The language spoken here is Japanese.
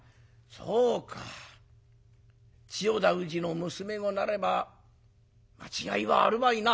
そうか千代田氏の娘御なれば間違いはあるまいな。